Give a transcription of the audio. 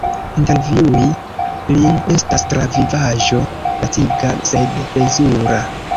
Intervjui lin estas travivaĵo laciga sed plezura!